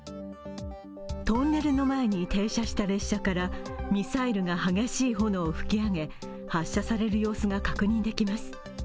トンネルの前に停車した列車からミサイルが激しい炎を噴き上げ発射される様子が確認できます。